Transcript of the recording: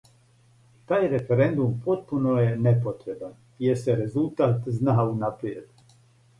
Тај референдум потпуно је непотребан, јер се резултат зна унапријед.